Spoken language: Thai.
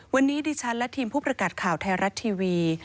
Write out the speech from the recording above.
วันนี้ดิฉันและทีมผู้ประกาศข่าวไทยรัฐทีวี